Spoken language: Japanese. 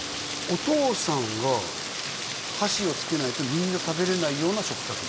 お父さんが箸をつけないとみんな食べれないような食卓ですか？